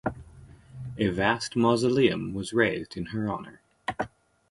A vast mausoleum was raised in her honor.